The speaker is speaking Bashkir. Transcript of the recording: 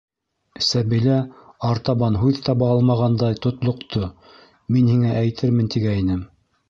- Сәбилә артабан һүҙ таба алмағандай, тотлоҡто, - мин һиңә әйтермен тигәйнем...